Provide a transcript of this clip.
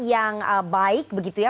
yang baik begitu ya